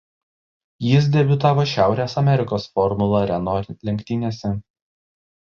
Jis debiutavo Šiaurės Amerikos Formula Renault lenktynėse.